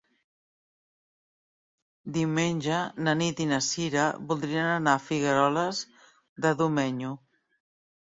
Diumenge na Nit i na Cira voldrien anar a Figueroles de Domenyo.